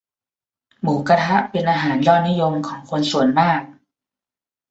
หมูกะทะเป็นอาหารยอดนิยมของคนส่วนมาก